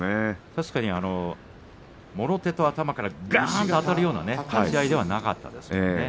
確かに、もろ手と頭からがんとあたるような立ち合いではなかったですね。